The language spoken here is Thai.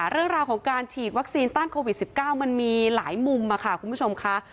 เรื่องราวของการฉีดวัคซีนต้านโควิด๑๙มันมีหลายมุมค่ะคุณผู้ชมค่ะ